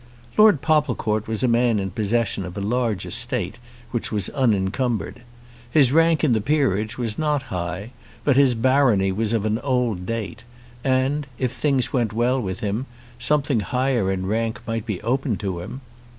Lord Popplecourt was a man in possession of a large estate which was unencumbered. His rank in the peerage was not high; but his barony was of an old date, and, if things went well with him, something higher in rank might be open to him.